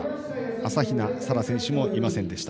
朝比奈沙羅選手もいませんでした。